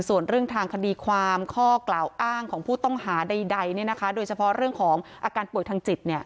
ส่วนเรื่องทางคดีความข้อกล่าวอ้างของผู้ต้องหาใดโดยเฉพาะเรื่องของอาการป่วยทางจิต